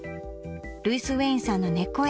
ルイス・ウェインさんのねこ絵